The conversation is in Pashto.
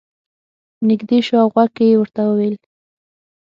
نږدې شو او غوږ کې یې ورته وویل.